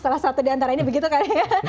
salah satu di antara ini begitu kan ya